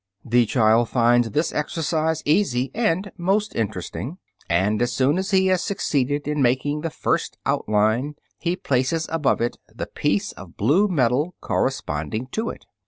The child finds this exercise easy and most interesting, and, as soon as he has succeeded in making the first outline, he places above it the piece of blue metal corresponding to it.